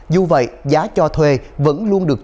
dù vậy giá cho thuê vẫn luôn được